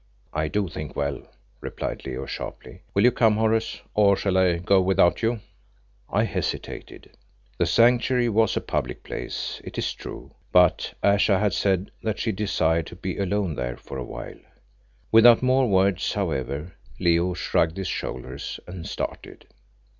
"I do think well," replied Leo sharply. "Will you come, Horace, or shall I go without you?" I hesitated. The Sanctuary was a public place, it is true, but Ayesha had said that she desired to be alone there for awhile. Without more words, however, Leo shrugged his shoulders and started.